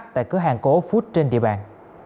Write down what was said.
tại cửa hàng cofood trên địa bàn